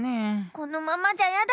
このままじゃヤダ！